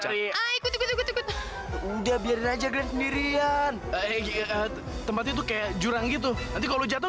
ikut ikut udah biarin aja grand sendirian tempat itu kayak jurang gitu nanti kalau jatuh